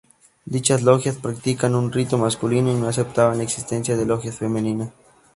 Dichas logias practicaban un rito masculino y no aceptaban la existencia de logias femeninas.